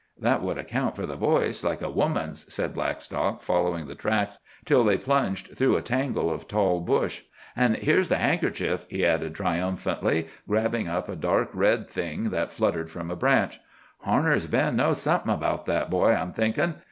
"That would account for the voice, like a woman's," said Blackstock, following the tracks till they plunged through a tangle of tall bush. "An' here's the handkerchief," he added triumphantly, grabbing up a dark red thing that fluttered from a branch. "Harner's Bend knows somethin' about that boy, I'm thinkin'.